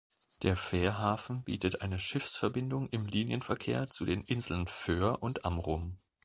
Der Fährhafen bietet eine Schiffsverbindung im Linienverkehr zu den Inseln Föhr und Amrum.